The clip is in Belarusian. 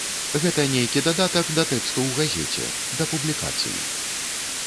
Гэта нейкі дадатак да тэксту ў газеце, да публікацый.